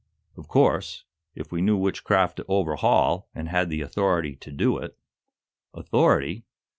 "Of course; if we knew which craft to overhaul, and had the authority to do it." "Authority?